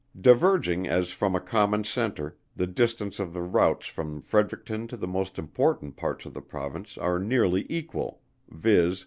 Diverging as from a common centre, the distance of the routes from Fredericton to the most important parts of the Province are nearly equal, viz.